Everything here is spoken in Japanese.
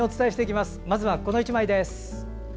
まずは、この１枚です。